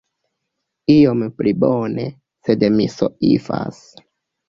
Iom pli bone, sed mi soifas.